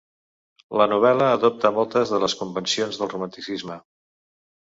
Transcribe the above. La novel·la adopta moltes de les convencions del romanticisme.